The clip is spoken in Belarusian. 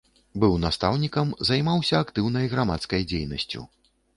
Быў настаўнікам, займаўся актыўнай грамадскай дзейнасцю.